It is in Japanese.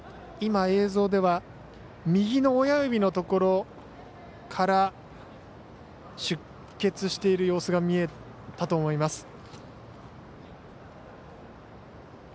映像では右の親指のところから出血している様子が見えたと思います。